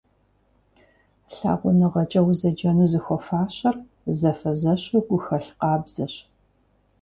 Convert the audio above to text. ЛъагъуныгъэкӀэ узэджэну зыхуэфащэр зэфэзэщу гухэлъ къабзэщ.